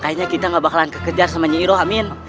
kayaknya kita gak bakalan kekejar sama yiro amin